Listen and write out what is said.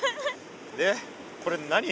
でこれ何？